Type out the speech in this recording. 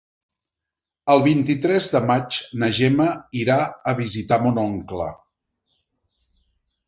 El vint-i-tres de maig na Gemma irà a visitar mon oncle.